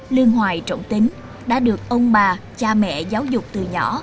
lương hoài trọng tính đã được ông bà cha mẹ giáo dục từ nhỏ